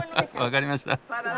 分かりました。